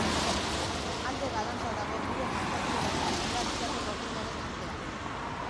Alde galanta dago gure fantasien eta errealitate gordinaren artean.